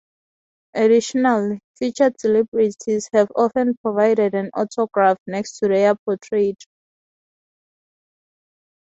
Additionally, featured celebrities have often provided an autograph next to their portrait.